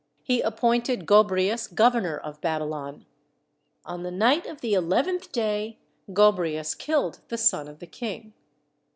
He appointed Gobrias governor of Baby lon. On the night of the eleventh day Gobrias killed the son of the King.